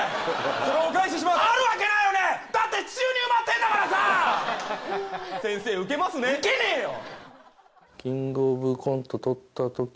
それお返ししますあるわけないよねだって地中に埋まってんだからさ先生ウケますねウケねえよふん